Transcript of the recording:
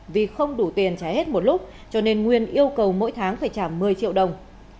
vì không đủ tiền trả hết một lúc cho nên nguyên yêu cầu mỗi tháng phải trả một mươi triệu đồng